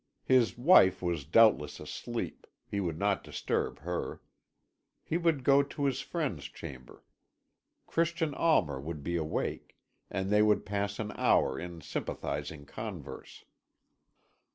His wife was doubtless asleep; he would not disturb her. He would go to his friend's chamber; Christian Almer would be awake, and they would pass an hour in sympathising converse.